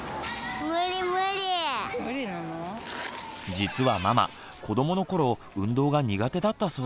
実はママ子どもの頃運動が苦手だったそうです。